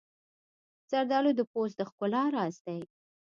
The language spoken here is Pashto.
زردالو د پوست د ښکلا راز دی.